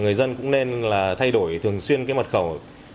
người dân cũng nên thay đổi thường xuyên mật khẩu